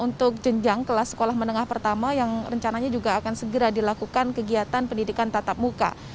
untuk jenjang kelas sekolah menengah pertama yang rencananya juga akan segera dilakukan kegiatan pendidikan tatap muka